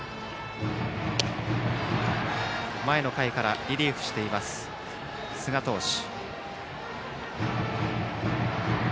前の回からリリーフしている寿賀投手。